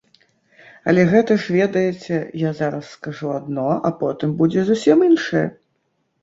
Але гэта ж, ведаеце, я зараз скажу адно, а потым будзе зусім іншае.